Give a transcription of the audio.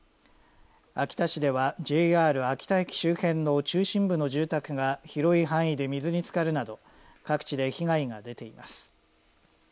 秋田市ではＪＲ秋田駅周辺の中心部の住宅が広い範囲で水につかるなど各地で被害が出ています。